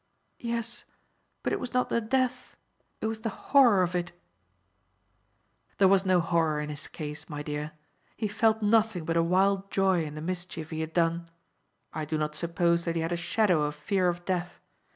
"Yes; but it was not the death, it was the horror of it." "There was no horror in his case, my dear. He felt nothing but a wild joy in the mischief he had done. I do not suppose that he had a shadow of fear of death.